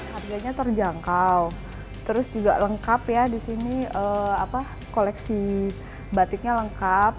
harganya terjangkau terus juga lengkap ya di sini koleksi batiknya lengkap